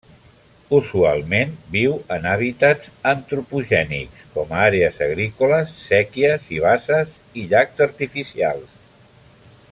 Usualment viu en hàbitats antropogènics com àrees agrícoles, séquies i basses i llacs artificials.